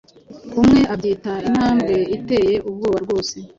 Umwe abyita "intambwe iteye ubwoba rwoe"